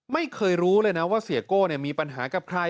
ไม่เคยรู้เลยนะว่าเสียโก้มีปัญหากับใคร